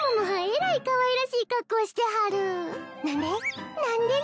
えらいかわいらしい格好してはる何で？